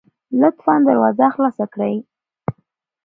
لطفا دروازه خلاصه کړئ